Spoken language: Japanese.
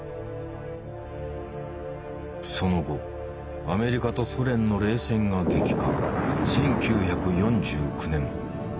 その後アメリカとソ連の冷戦が激化。